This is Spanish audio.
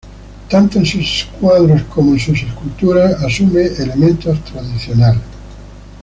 Tanto en sus cuadros como en sus esculturas, asume elementos tradicionales.